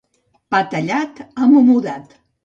Pa tallat, amo mudat.